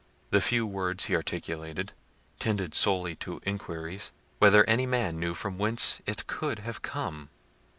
The few words he articulated, tended solely to inquiries, whether any man knew from whence it could have come?